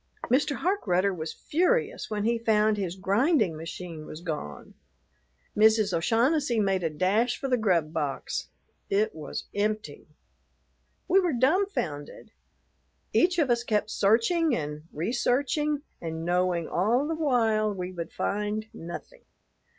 Mr. Harkrudder was furious when he found his grinding machine was gone. Mrs. O'Shaughnessy made a dash for the grub box. It was empty. We were dumbfounded. Each of us kept searching and researching and knowing all the while we would find nothing.